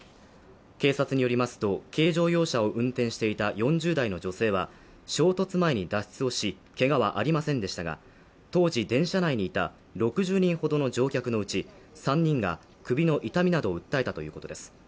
警察によりますと軽乗用車を運転していた４０代の女性は衝突前に脱出をしけがはありませんでしたが当時、電車内にいた６０人ほどの乗客のうち３人が首の痛みなどを訴えたということです。